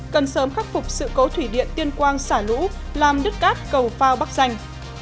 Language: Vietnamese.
cần sớm khắc phục sự cấu thủy điện tiên quang xả lũ làm đứt cát cầu phao bắc danh